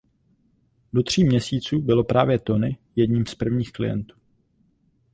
Do tří měsíců bylo právě Tony jedním z prvních klientů.